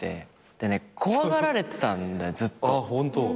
でね怖がられてたんだよずっと。